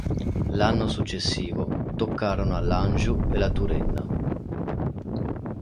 L'anno successivo, toccarono a l'Anjou e la Turenna.